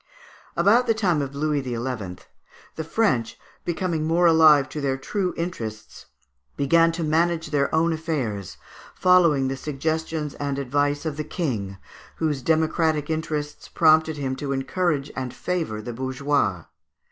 About the time of Louis XI., the French, becoming more alive to their true interests, began to manage their own affairs, following the suggestions and advice of the King, whose democratic instincts prompted him to encourage and favour the bourgeois.